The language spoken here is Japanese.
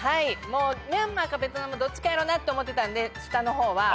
ミャンマーかベトナムどっちかやろなと思ってたんで下の方は。